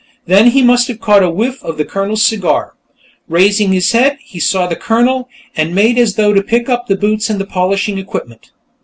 Then he must have caught a whiff of the Colonel's cigar. Raising his head, he saw the Colonel, and made as though to pick up the boots and polishing equipment.